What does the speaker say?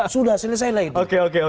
sudah selesai lah itu